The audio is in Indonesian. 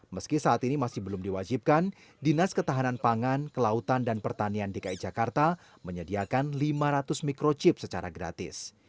meski saat ini masih belum diwajibkan dinas ketahanan pangan kelautan dan pertanian dki jakarta menyediakan lima ratus mikrochip secara gratis